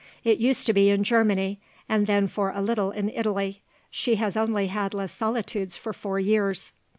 It used to be in Germany, and then for a little in Italy; she has only had Les Solitudes for four years."